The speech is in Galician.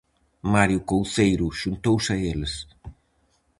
Mario Couceiro xuntouse a eles.